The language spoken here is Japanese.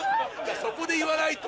そこで言わないと。